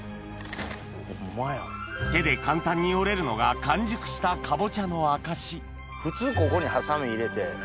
手で簡単に折れるのが完熟したかぼちゃの証普通ここにハサミ入れて。